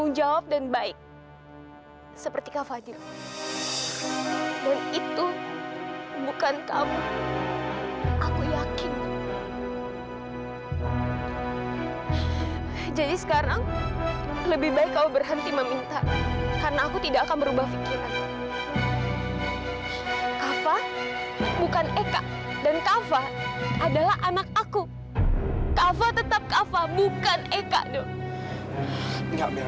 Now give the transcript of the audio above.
mama percayakan untuk mengelola perusahaan almarhum papa kamu akan masih inget sama dia